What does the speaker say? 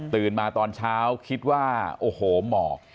มาตอนเช้าคิดว่าโอ้โหหมอก